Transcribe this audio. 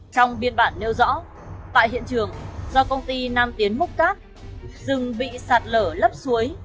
trong biên bản nêu rõ tại hiện trường do công ty nam tiến múc cát rừng bị sạt lở lấp suối